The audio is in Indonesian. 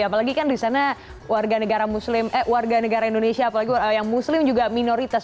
apalagi kan di sana warga negara indonesia yang muslim juga minoritas